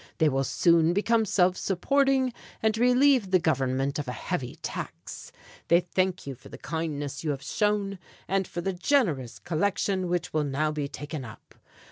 They will soon become self supporting, and relieve the Government of a heavy tax. They thank you for the kindness you have shown, and for the generous collection which will now be taken up.